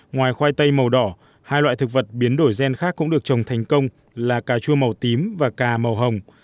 ngoài khoai tây màu đỏ hai loại thực vật biến đổi gen khác cũng được trồng thành công là cà chua màu tím và cà màu hồng